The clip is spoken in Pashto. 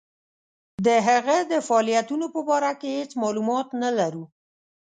د هغه د فعالیتونو په باره کې هیڅ معلومات نه لرو.